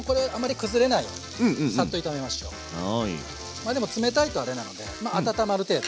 まあでも冷たいとあれなのでまあ温まる程度。